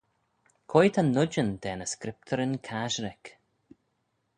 Quoi ta noidyn da ny Scriptyryn Casherick?